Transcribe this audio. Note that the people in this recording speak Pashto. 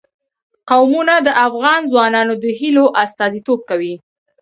قومونه د افغان ځوانانو د هیلو استازیتوب کوي.